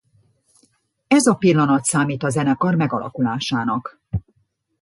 Ez a pillanat számít a zenekar megalakulásának.